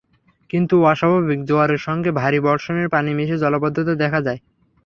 কিন্তু অস্বাভাবিক জোয়ারের সঙ্গে ভারী বর্ষণের পানি মিশে জলাবদ্ধতা দেখা দেয়।